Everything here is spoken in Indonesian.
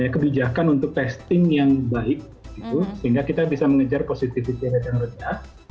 kebijakan untuk testing yang baik sehingga kita bisa mengejar positifitas yang reja